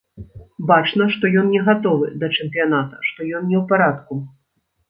Бачна, што ён не гатовы да чэмпіяната, што ён не ў парадку.